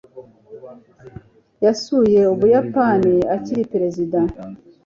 yasuye ubuyapani akiri perezida